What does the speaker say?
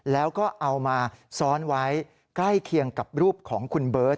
แล้วก็เอามาซ้อนไว้ใกล้เคียงกับรูปของคุณเบิร์ต